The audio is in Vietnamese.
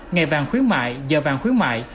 ngày vàng khuyến mại giờ vàng khuyến mại